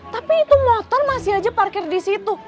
tapi itu motor masih aja parkir disitu